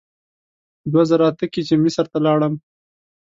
دوه زره اته کې چې مصر ته لاړم.